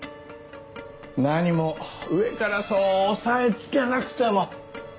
何も上からそう抑えつけなくても。